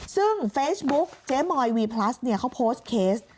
ซึ่งเฟซบุ๊กเจ๊มอยวีพลัสเนี่ยเขาโพสต์เคส